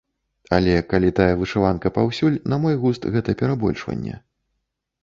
Але калі тая вышыванка паўсюль, на мой густ гэта перабольшванне.